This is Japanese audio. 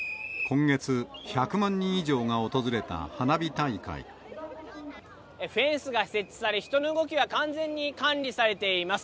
今月、フェンスが設置され、人の動きは完全に管理されています。